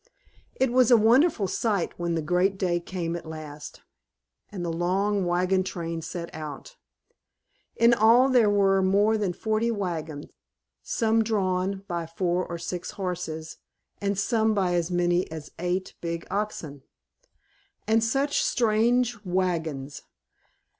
It was a wonderful sight when the great day came at last, and the long wagon train set out. In all there were more than forty wagons, some drawn by four or six horses, and some by as many as eight big oxen. And such strange wagons!